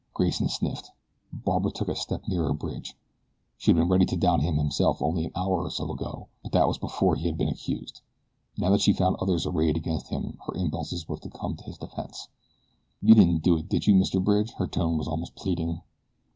Grayson sniffed. Barbara took a step nearer Bridge. She had been ready to doubt him herself only an hour or so ago; but that was before he had been accused. Now that she found others arrayed against him her impulse was to come to his defense. "You didn't do it, did you, Mr. Bridge?" Her tone was almost pleading.